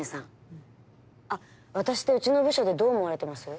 あっ私ってうちの部署でどう思われてます？